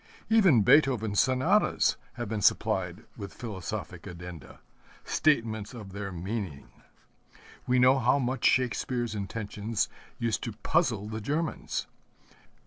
Even Beethoven's Sonatas have been supplied with philosophic addenda statements of their meaning. We know how much Shakespeare's intentions used to puzzle the Germans.